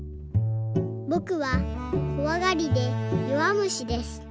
「ぼくはこわがりでよわむしです。